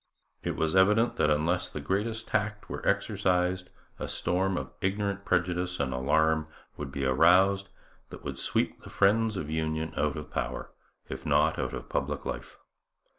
It was evident that unless the greatest tact were exercised, a storm of ignorant prejudice and alarm would be aroused, that would sweep the friends of union out of power, if not out of public life.